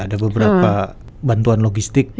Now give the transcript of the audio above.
ada beberapa bantuan logistik